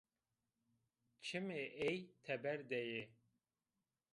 Çimê ey teber de yê